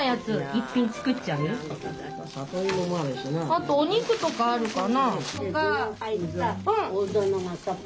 あとお肉とかあるかな。